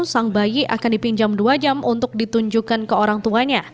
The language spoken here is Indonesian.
sang bayi akan dipinjam dua jam untuk ditunjukkan ke orang tuanya